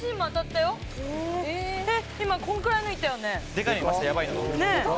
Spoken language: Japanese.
デカいのいましたヤバいの。